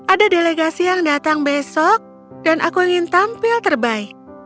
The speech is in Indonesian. ada delegasi yang datang besok dan aku ingin tampil terbaik